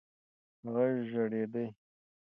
هغه ژړېدی .